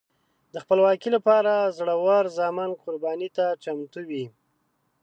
د خپلواکۍ لپاره زړور زامن قربانۍ ته چمتو وي.